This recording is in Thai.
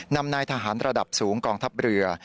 นำนายทหารระดับสูงกองทัพเรือ